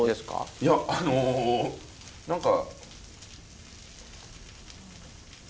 いやあの何か。